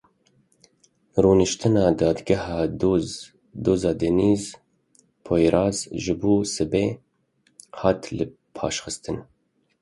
Rûniştina dadgeha doza Deniz Poyraz ji bo sibê hat lipaşxistin.